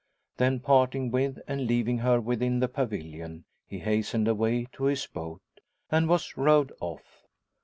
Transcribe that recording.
Then parting with, and leaving her within the pavilion, he hastened away to his boat, and was rowed off.